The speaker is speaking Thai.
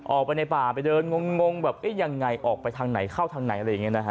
ออกไปในป่าไปเดินงงแบบเอ๊ะยังไงออกไปทางไหนเข้าทางไหนอะไรอย่างนี้นะฮะ